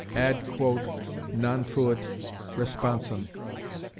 _Ad quod non fuit responsum.